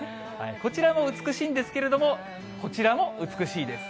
こちらも美しいんですけれども、こちらも美しいです。